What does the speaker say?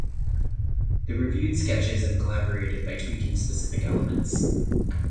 They reviewed sketches and collaborated by tweaking specific elements.